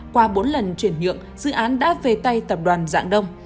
qua bốn lần chuyển nhượng dự án đã về tay tập đoàn dạng đông